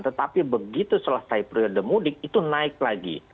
tetapi begitu selesai periode mudik itu naik lagi